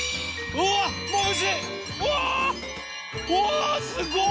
うわすごい！